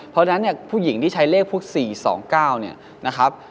เพราะฉะนั้นเนี่ยผู้หญิงที่ใช้เลขพวก๔๒๙เนี่ยนะครับ